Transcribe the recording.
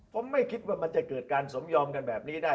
ผมไม่คิดว่ามันจะเกิดการสมยอมกันแบบนี้ได้